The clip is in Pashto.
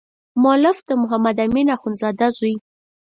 مؤلف د محمد امین اخندزاده زوی.